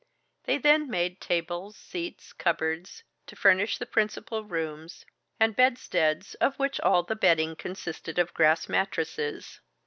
They then made tables, seats, cupboards, to furnish the principal rooms, and bedsteads, of which all the bedding consisted of grass mattresses.